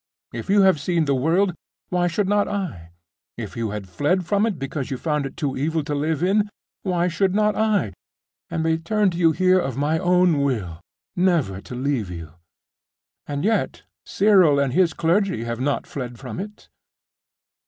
If you have seen the world, why should not I? If you have fled from it because you found it too evil to live in, why should not I, and return to you here of my own will, never to leave you? And yet Cyril and his clergy have not fled from it....